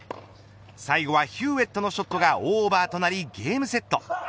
最後はヒューエットのショットがオーバーとなりゲームセット。